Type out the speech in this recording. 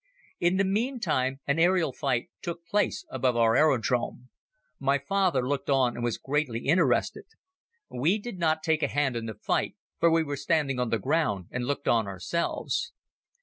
In the meantime, an aerial fight took place above our aerodrome. My father looked on and was greatly interested. We did not take a hand in the fight for we were standing on the ground and looked on ourselves.